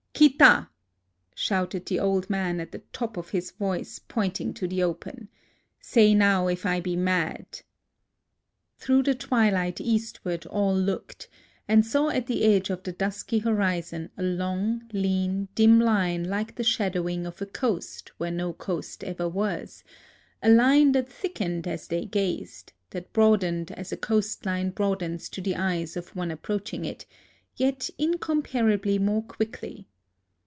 " ^ita !" shouted the old man at the top 24 A LIVING GOD of his voice, pointing to the open. " Say now if I be mad !" Through the twilight eastward all looked, and saw at the edge of the dusky horizon a long, lean, dim line like the shadowing of a coast where no coast ever was, — a line that thickened as they gazed, that broadened as a coast line broadens to the eyes of one ap proaching it, yet incomparably more quickly.